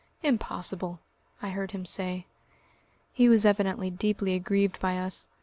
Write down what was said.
"Impossible," I heard him say. He was evidently deeply aggrieved by us.